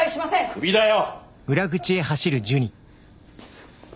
クビだよ！